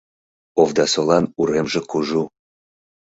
Овдасолан уремже кужу